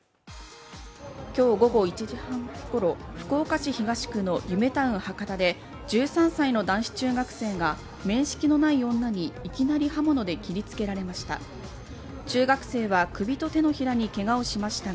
今日午後１時半ごろ、福岡市東区のゆめタウン博多で１３歳の男子中学生が面識のない女にいきなり刃物で切りつけられました。